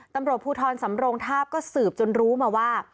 ตำรวจภูทรสำรงทาบก็สืบจนรู้มาว่า